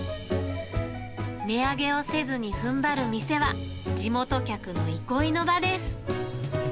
値上げをせずにふんばる店は、地元客の憩いの場です。